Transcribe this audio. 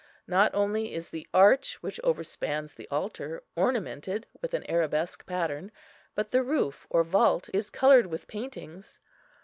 Not only is the arch which overspans the altar ornamented with an arabesque pattern, but the roof or vault is coloured with paintings.